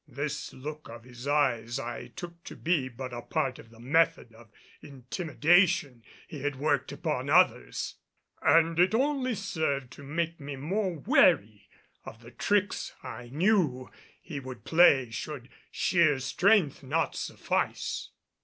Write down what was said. This look of his eyes I took to be but a part of the method of intimidation he had worked upon others, and it only served to make me more wary of the tricks I knew he would play should sheer strength not suffice.